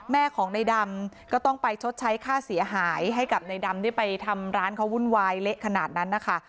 แม่ของในดำก็ต้องไปชดใช้ค่าเสียหายให้กับในดำที่ไปทำร้านเขาวุ่นวายเละขนาดนั้นนะคะ